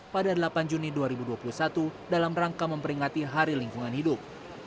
pada delapan juni dua ribu dua puluh satu dalam rangka memperingati hari lingkungan hidup